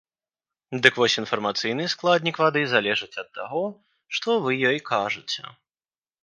Дык вось інфармацыйны складнік вады залежыць ад таго, што вы ёй кажаце.